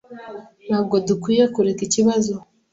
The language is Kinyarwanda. Ntabwo dukwiye kureka ikibazo.